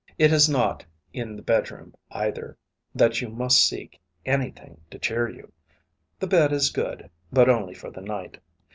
It is not in the bedroom, either, that you must seek anything to cheer you. The bed is good, but only for the night.